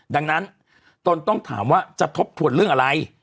ดังนั้นตนต้องถามว่าจะทบทวนเรื่องอะไร